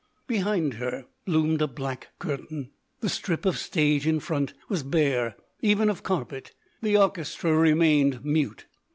Behind her loomed a black curtain; the strip of stage in front was bare even of carpet; the orchestra remained mute.